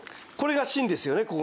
これが芯ですよね